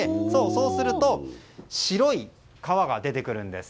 そうすると白い皮が出てくるんです。